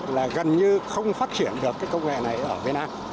là gần như không phát triển được cái công nghệ này ở việt nam